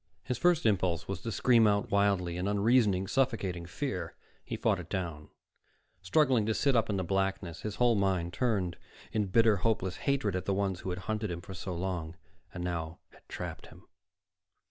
His first impulse was to scream out wildly in unreasoning, suffocating fear. He fought it down, struggling to sit up in the blackness, his whole mind turned in bitter, hopeless hatred at the ones who had hunted him for so long, and now had trapped him.